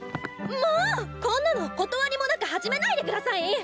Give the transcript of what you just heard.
もうこんなの断りもなく始めないで下さい！